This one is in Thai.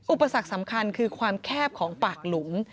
อุปสรรคสำคัญคือความแคบของปากหลุม